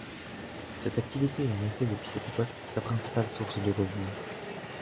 Cette activité est restée depuis cette époque sa principale source de revenus.